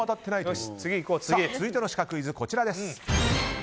続いてのシカクイズです。